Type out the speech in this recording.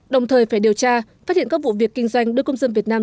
đồng thời phải điều tra phát hiện các vụ việc kinh doanh đưa công dân việt nam